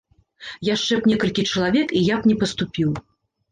Яшчэ б некалькі чалавек, і я б не паступіў.